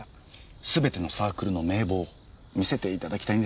すべてのサークルの名簿を見せていただきたいんですが。